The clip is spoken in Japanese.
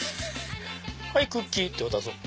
はいクッキー！って渡そう。